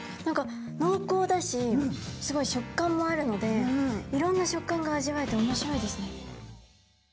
何かのうこうだしすごい食感もあるのでいろんな食感が味わえておもしろいですね。